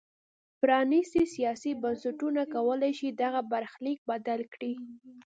پرانیستي سیاسي بنسټونه کولای شي چې دغه برخلیک بدل کړي.